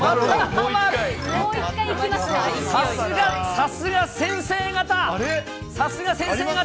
さすが、指すが、先生方。